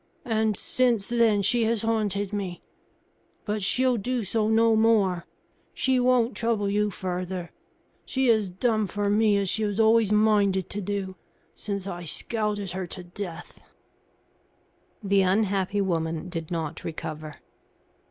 And since then she has haunted me. But she'll do so no more. She won't trouble you further. She has done for me, as she has always minded to do, since I scalded her to death." The unhappy woman did not recover.